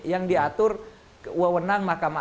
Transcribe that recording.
yang diatur kewenang mahkamah